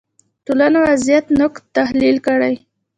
ټولنو وضعیت نقد تحلیل کړي